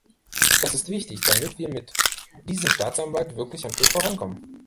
Das ist wichtig, damit wir mit diesem Staatsanwalt wirklich ein Stück vorankommen.